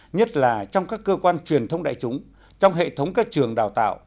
nhất là trong các cơ quan truyền thông đại chúng trong hệ thống các trường đào tạo